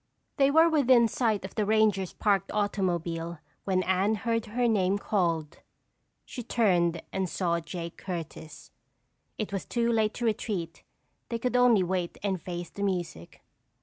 They were within sight of the ranger's parked automobile when Anne heard her name called. She turned and saw Jake Curtis. It was too late to retreat. They could only wait and face the music.